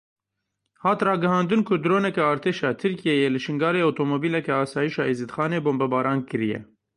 Hat ragihandin ku droneke artêşa Tirkiyeyê li Şingalê otomobîleke Asayîşa Êzîdxanê bomberan kiriye.